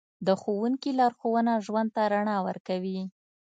د ښوونکي لارښوونه ژوند ته رڼا ورکوي.